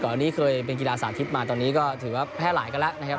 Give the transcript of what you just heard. อันนี้เคยเป็นกีฬาสาธิตมาตอนนี้ก็ถือว่าแพร่หลายกันแล้วนะครับ